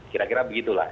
kira kira begitu lah